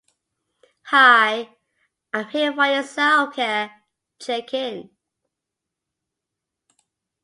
Hi I'm here for your self care check in.